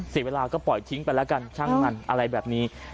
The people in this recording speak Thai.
เสียเวลาก็ปล่อยทิ้งไปแล้วกันช่างมันอะไรแบบนี้